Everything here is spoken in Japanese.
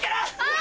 あ！